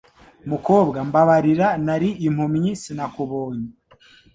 Mukobwa Mbabarira nari impumyi sinakubonye